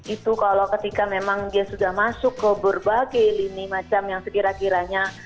itu kalau ketika memang dia sudah masuk ke berbagai lini macam yang sekira kiranya